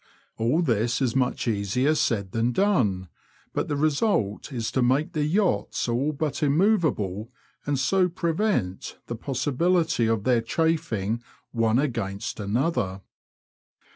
All this is much easier said than done, but the result is to make the yachts all but immovable, and so prevent the possibility of their chafing one against another.